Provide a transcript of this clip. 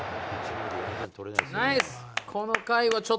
ナイス！